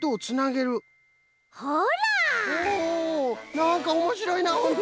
なんかおもしろいなホント！